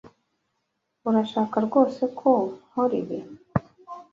Urashaka rwose ko nkora ibi?